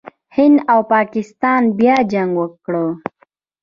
هند او پاکستان بیا جنګ وکړ.